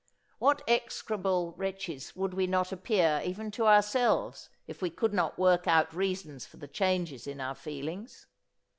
What execrable wretches would we not appear even to ourselves if we could not work out reasons for the changes in our feelings?